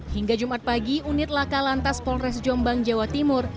hingga jumat pagi unit laka lantas polres jombang jawa timur